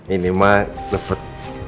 ini mah dapet